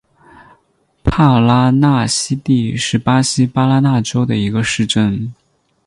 帕拉纳西蒂是巴西巴拉那州的一个市镇。